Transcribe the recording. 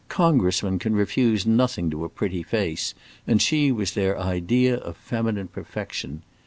Congressmen can refuse nothing to a pretty face, and she was their idea of feminine perfection.